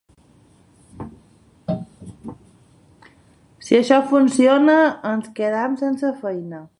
Si això funciona, ens quedem sense feina.